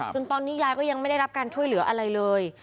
จนตอนนี้ยายก็ยังไม่ได้รับการช่วยเหลืออะไรเลย